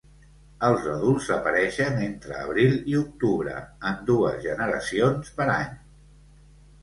Els adults apareixen entre abril i octubre, en dues generacions per any.